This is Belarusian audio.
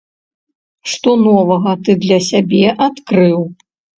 Што новага ты для сябе адкрыў?